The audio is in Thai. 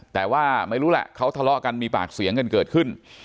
แต่ว่าไม่รู้แหละเขาทะเลาะกันมีปากเสียงกันเกิดขึ้น